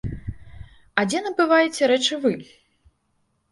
А дзе набываеце рэчы вы?